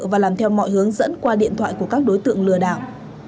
và làm theo mọi hướng dẫn qua điện thoại của các đối tượng lừa đảo